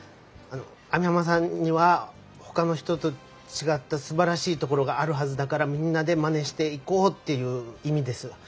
網浜さんにはほかの人と違ったすばらしいところがあるはずだからみんなでまねしていこうっていう意味です。